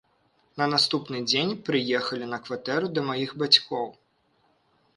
На наступны дзень прыехалі на кватэру да маіх бацькоў.